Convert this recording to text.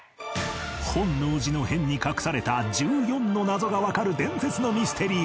本能寺の変に隠された１４の謎がわかる伝説のミステリー